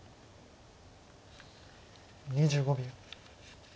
２５秒。